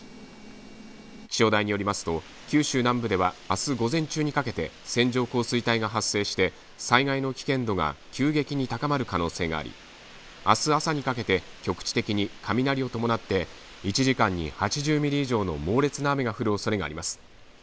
気象台によりますと九州南部ではあす午前中にかけて線状降水帯が発生して災害の危険度が急激に高まる可能性がありあす朝にかけて局地的に雷を伴って１時間に８０ミリ以上の猛烈な雨が降るおそれがあります。